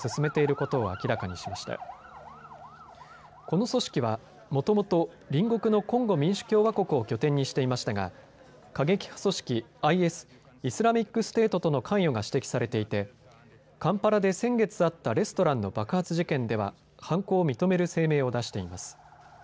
この組織はもともと隣国のコンゴ民主共和国を拠点にしていましたが過激派組織ＩＳ・イスラミックステートとの関与が指摘されていてカンパラで先月あったレストランの爆発事件では犯行を認める声明を出しています。